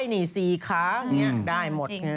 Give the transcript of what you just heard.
ไหนนี่๔คาได้หมด